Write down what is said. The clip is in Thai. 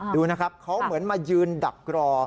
ดูนะครับเขาเหมือนมายืนดักรอ